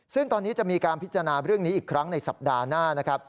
ซึ่งตอนนี้จะมีการพิจารณาเรื่องนี้อีกครั้งในสัปดาห์หน้านะครับ